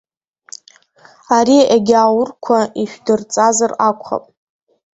Ари агьааурқәа ишәдырҵазар акәхап!